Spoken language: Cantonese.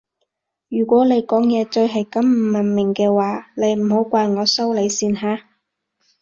如果你講嘢再係咁唔文明嘅話你唔好怪我收你線吓